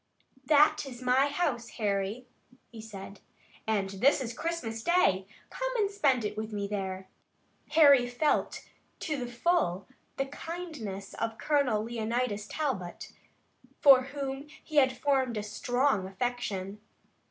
"That is my house, Harry," he said, "and this is Christmas Day. Come and spend it with me there." Harry felt to the full the kindness of Colonel Leonidas Talbot, for whom he had formed a strong affection.